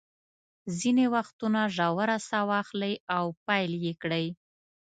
ځینې وختونه ژوره ساه واخلئ او پیل یې کړئ.